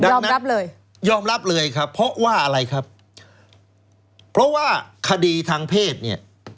ยอมรับเลยยอมรับเลยครับเพราะว่าอะไรครับเพราะว่าคดีทางเพศเนี่ย